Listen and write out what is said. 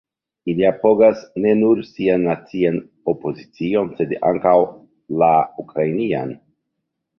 Ili apogas ne nur sian nacian opozicion sed ankaŭ la la ukrainan.